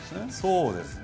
そうですね。